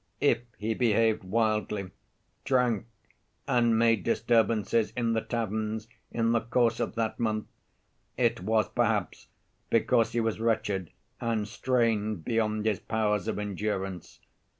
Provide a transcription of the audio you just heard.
If he behaved wildly, drank, and made disturbances in the taverns in the course of that month, it was perhaps because he was wretched and strained beyond his powers of endurance.